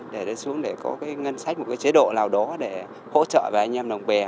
để xuống để có cái ngân sách một cái chế độ nào đó để hỗ trợ về anh em đồng bè